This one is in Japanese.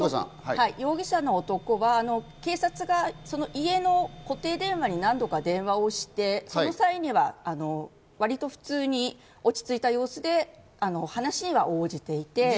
容疑者の男は警察が家の固定電話に何度か電話をしてその際には、割と普通に落ち着いた様子で話には応じていて。